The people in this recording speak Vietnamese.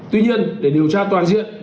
tuy nhiên để điều tra toàn diện